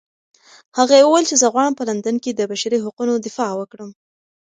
هغې وویل چې زه غواړم په لندن کې د بشري حقونو دفاع وکړم.